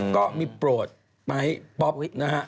ก็มีโปรดไป๊ป๊อปนะฮะ